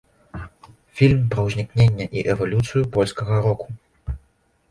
Фільм пра ўзнікненне і эвалюцыю польскага року.